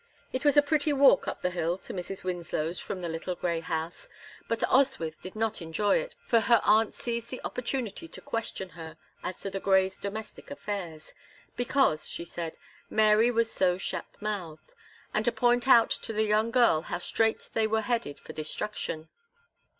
It was a pretty walk up the hill to Mrs. Winslow's from the little grey house, but Oswyth did not enjoy it, for her aunt seized the opportunity to question her as to the Greys' domestic affairs, "because," she said, "Mary was so shut mouthed," and to point out to the young girl how straight they were headed for destruction.